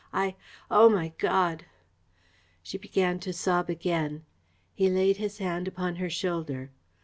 I oh, my God!" She began to sob again. He laid his hand upon her shoulder.